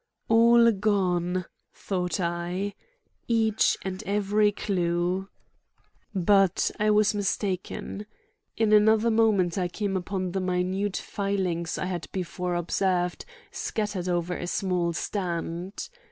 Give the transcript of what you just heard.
"All gone," thought I; "each and every clue." But I was mistaken. In another moment I came upon the minute filings I had before observed scattered over a small stand.